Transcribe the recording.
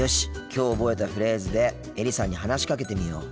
きょう覚えたフレーズでエリさんに話しかけてみよう。